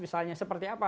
misalnya seperti apa